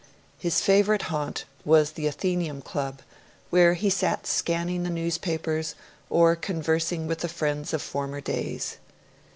His favourite haunt was the Athenaeum Club, where he sat scanning the newspapers, or conversing with the old friends of former days.